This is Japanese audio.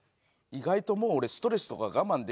「意外ともう俺ストレスとか我慢できないんだよね」